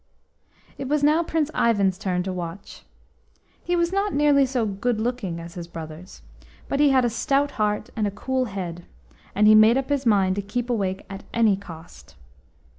It was now Prince Ivan's turn to watch. He was not nearly so good looking as his brothers, but he had a stout heart and a cool head, and he made up his mind to keep awake at any cost.